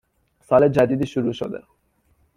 سال جدیدی شروع شده،